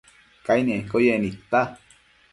Cainenquio yec nidta